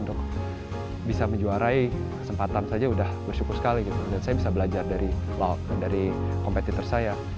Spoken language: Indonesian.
untuk bisa menjuarai kesempatan saja udah bersyukur sekali gitu dan saya bisa belajar dari laut dari kompetitor saya